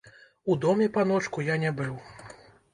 У доме, паночку, я не быў.